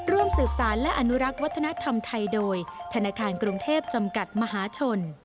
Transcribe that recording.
ร่วมสืบสารและอนุรักษ์วัฒนธรรมไทยโดยธนาคารกรุงเทพจำกัดมหาชน